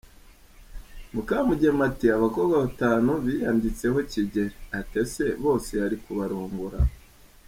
Mukamugema ati abakobwa batanu biyanditseho Kigeli, ati ese bose yali kubarongora !!!